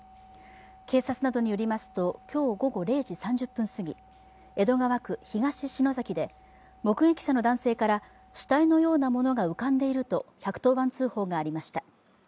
警察などによりますと、今日午後０時３０分過ぎ、江戸川区東篠崎で目撃者の男性から死体のようなものが浮かんでいると１１０番通報がありました。